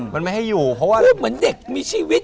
มันไม่ให้อยู่เหมือนเด็กมีชีวิต